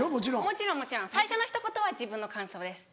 もちろんもちろん最初のひと言は自分の感想です。